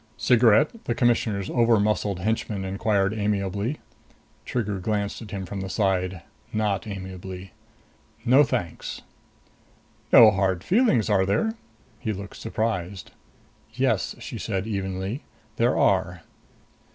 "Cigarette?" the Commissioner's overmuscled henchman inquired amiably. Trigger glanced at him from the side. Not amiably. "No, thanks." "No hard feelings, are there?" He looked surprised. "Yes," she said evenly. "There are."